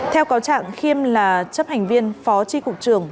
theo cáo trạng khiêm là chấp hành viên phó tri cục trường